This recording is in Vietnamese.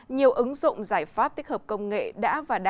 nhiều ứng dụng giải pháp tích hợp công nghệ đã và đã